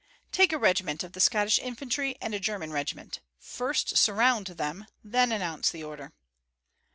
"Take a regiment of Scottish infantry and a German regiment. First surround them, then announce the order."